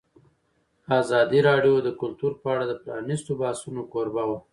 ازادي راډیو د کلتور په اړه د پرانیستو بحثونو کوربه وه.